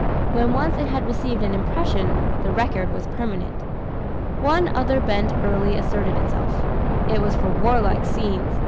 When once it had received an impression, the record was permanent. One other bent early asserted itself. It was for warlike scenes.